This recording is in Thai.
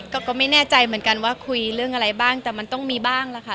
ก็ไม่แน่ใจเหมือนกันว่าคุยเรื่องอะไรบ้างแต่มันต้องมีบ้างล่ะค่ะ